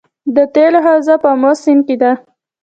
د تیلو حوزه په امو سیند کې ده